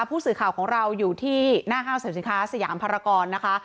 ผู้สื่อข่าวของเราอยู่ที่หน้าห้างสรรพสินค้าสยามภารกรนะคะ